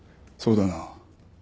そうだな。